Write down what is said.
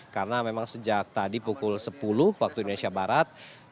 karena memang sejak tadi pukul sepuluh waktu indonesia barat